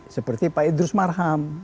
seperti pak idrus marham